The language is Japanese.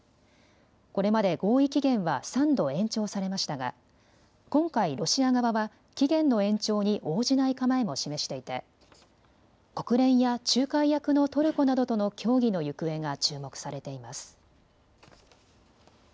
これまで合意期限は３度延長されましたが今回、ロシア側は期限の延長に応じない構えも示していて国連や仲介役のトルコなどとの協議の行方が注目されています。